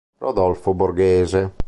Rodolfo Borghese